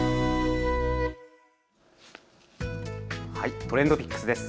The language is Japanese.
ＴｒｅｎｄＰｉｃｋｓです。